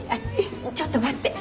ちょっと待って。